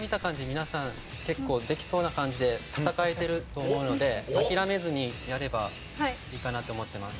皆さん結構できそうな感じで戦えてると思うので諦めずにやればいいかなって思ってます。